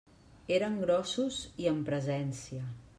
Eren grossos i amb presència.